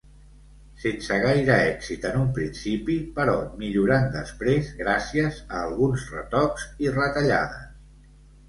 Sense gaire èxit en un principi però millorant després gràcies a alguns retocs i retallades.